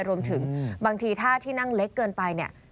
รวมถึงบางทีถ้าที่นั่งเล็กเกินไปเนี่ย